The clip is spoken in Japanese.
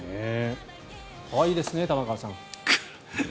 可愛いですね、玉川さん。